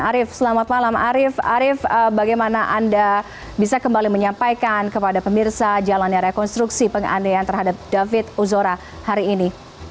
arief selamat malam arief arief bagaimana anda bisa kembali menyampaikan kepada pemirsa jalannya rekonstruksi penganiayaan terhadap david ozora hari ini